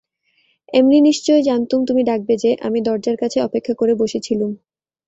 এমনি নিশ্চয় জানতুম তুমি ডাকবে যে, আমি দরজার কাছে অপেক্ষা করে বসেছিলুম।